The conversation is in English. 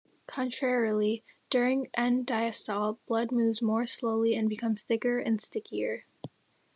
Contrarily, during end-diastole, blood moves more slowly and becomes thicker and stickier.